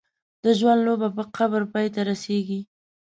د ژوند لوبه په قبر پای ته رسېږي.